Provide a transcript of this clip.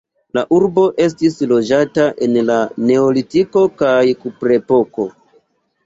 La urbo estis loĝata en la neolitiko kaj kuprepoko.